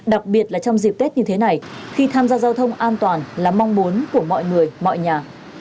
đặc biệt là trong dịp tết như thế này khi tham gia giao thông an toàn là mong muốn của mọi người mọi nhà